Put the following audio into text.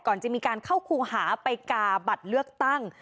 ก่อนจะมีการเข้าครูหาไปกาบัตรเลือกตั้ง